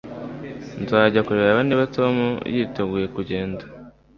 Nzajya kureba niba Tom yiteguye kugenda